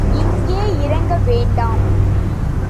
இங்கே இறங்க வேண்டாம்.